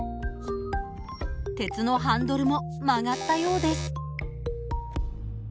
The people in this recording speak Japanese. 鉄のハンドルも曲がったようです。